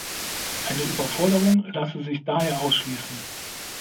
Eine Überforderung lasse sich daher ausschließen.